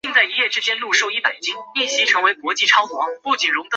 胡佛村是大萧条期间美国无家可归者修建的棚户区。